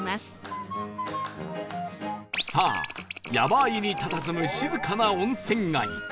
さあ山あいにたたずむ静かな温泉街